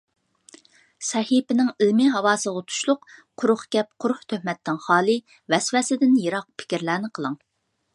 سەھىپىنىڭ ئىلمىي ھاۋاسىغا تۇشلۇق، قۇرۇق گەپ، قۇرۇق تۆھمەتتىن خالىي، ۋەسۋەسىدىن يىراق پىكىرلەرنى قىلىڭ!